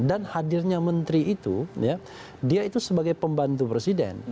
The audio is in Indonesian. hadirnya menteri itu dia itu sebagai pembantu presiden